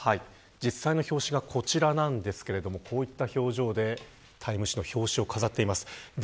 実際の表紙がこちらなんですけどもこういった表情でタイム誌の表紙を飾っています。